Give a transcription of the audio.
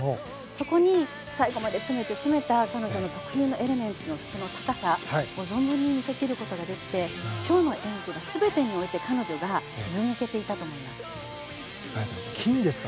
そこに最後まで詰めて、詰めた彼女の特有のエレメンツの質の高さを存分に見せきることができて今日の演技が全てにおいて彼女がずぬけていたと思います。